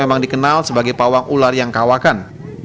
dia juga dikenal sebagai pawang ular yang kawakan